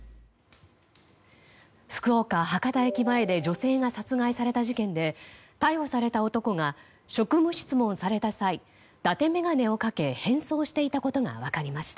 福岡・博多駅前で女性が殺害された事件で逮捕された男が職務質問された際伊達眼鏡をかけ変装していたことが分かりました。